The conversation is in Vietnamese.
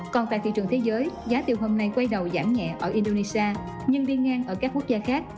còn tại thị trường thế giới giá tiêu hôm nay quay đầu giảm nhẹ ở indonesia nhưng đi ngang ở các quốc gia khác